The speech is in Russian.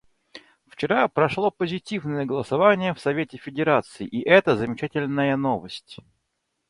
Вчера прошло позитивное голосование в Совете Федерации, и это замечательная новость.